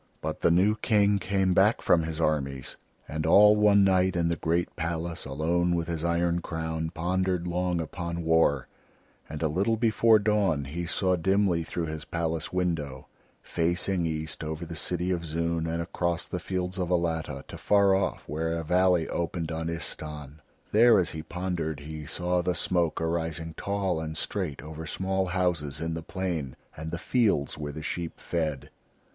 But the new King came back from his armies, and all one night in the great palace alone with his iron crown, pondered long upon war; and a little before dawn he saw dimly through his palace window, facing east over the city of Zoon and across the fields of Alatta, to far off where a valley opened on Istahn. There, as he pondered, he saw the smoke arising tall and straight over small houses in the plain and the fields where the sheep fed.